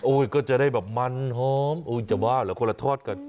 ก็จะได้แบบมันหอมจะบ้าเหรอคนละทอดกัน